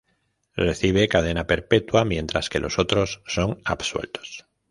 Recibe cadena perpetua, mientras que los otros son absueltos.